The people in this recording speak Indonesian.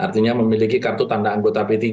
artinya memiliki kartu tanda anggota p tiga